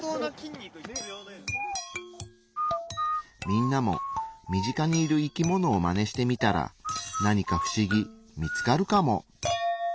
みんなも身近にいる生きものをマネしてみたら何か不思議見つかるかも。